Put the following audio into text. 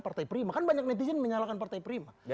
partai prima kan banyak netizen menyalahkan partai prima